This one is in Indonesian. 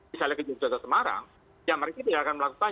misalnya ke jogja atau semarang ya mereka tidak akan melakukan